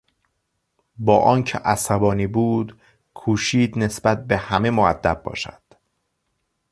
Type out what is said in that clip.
با آنکه عصبانی بود کوشید نسبت به همه مودب باشد.